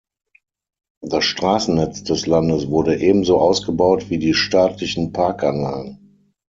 Das Straßennetz des Landes wurde ebenso ausgebaut wie die staatlichen Parkanlagen.